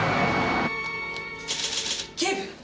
警部！